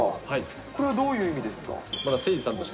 これはどういう意味ですか。